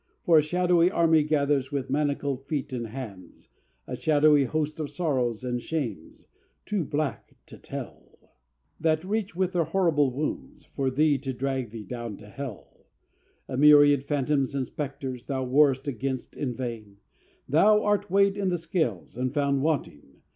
For a shadowy army gathers with manacled feet and hands; A shadowy host of sorrows and shames, too black to tell, That reach, with their horrible wounds, for thee to drag thee down to Hell: A myriad phantoms and spectres, thou warrest against in vain Thou art weighed in the Scales and found wanting!